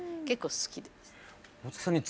結構好きです。